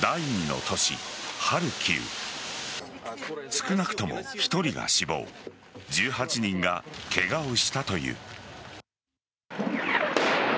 少なくとも１人が死亡１８人がケガをしたという。